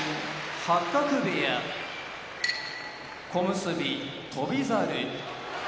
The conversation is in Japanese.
八角部屋小結・翔猿